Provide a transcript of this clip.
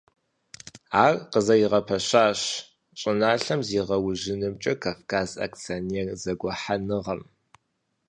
Ар къызэригъэпэщащ щӀыналъэм зегъэужьынымкӀэ «Кавказ» акционер зэгухьэныгъэм.